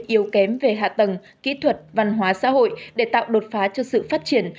yếu kém về hạ tầng kỹ thuật văn hóa xã hội để tạo đột phá cho sự phát triển